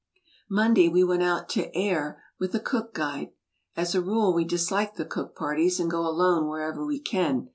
Monday we went out to Ayr with a Cook guide. As a rule we dislike the Cook parties and go alone wherever we can.